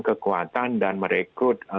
kekuatan dan merekrut